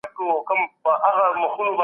علم د بشريت تر ټولو لوړه شتمني ده.